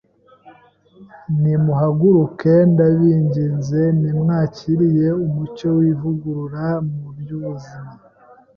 nimuhaguruke ndabinginze. Ntimwakiriye umucyo w’ivugurura mu by’ubuzima